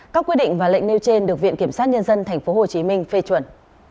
các quy định và lệnh nêu trên được viện kiểm sát nhân dân tp hcm phê chuẩn